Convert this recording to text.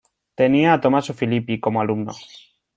Tenía a Tomaso Filippi como alumno.